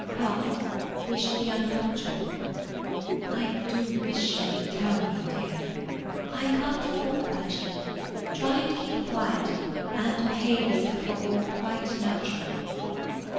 "Come; we shall be unpunctual." "I do wish you would tell me, dear—" "I can't talk, Virgie. Try and keep quiet, and behave as if it were all quite natural."